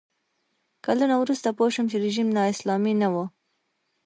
کلونه وروسته پوه شوم چې رژیم نا اسلامي نه و.